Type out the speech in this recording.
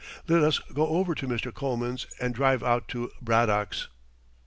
Let us go over to Mr. Coleman's and drive out to Braddock's."